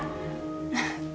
penampilan dia udahpadam nih